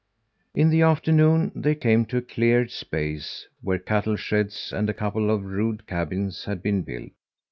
In the afternoon they came to a cleared space where cattle sheds and a couple of rude cabins had been built.